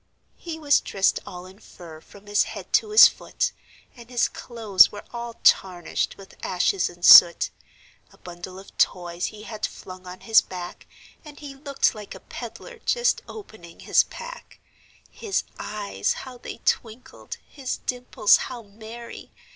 He was dressed all in fur from his head to his foot, And his clothes were all tarnished with ashes and soot; A bundle of toys he had flung on his back, And he looked like a peddler just opening his pack; His eyes how they twinkled! his dimples how merry!